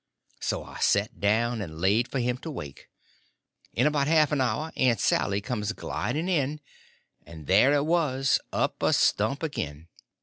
So I set down and laid for him to wake. In about half an hour Aunt Sally comes gliding in, and there I was, up a stump again!